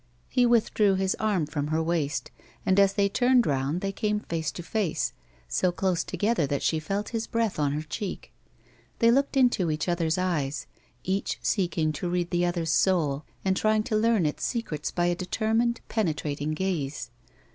He withdrew his arm from her waist, and as they turned round they came face to face, so close together that she felt his breath on her cheek. They looked into each other's eyes, each seeking to read the other's soul, and trying to learn its secrets by a determined, penetrating gaze.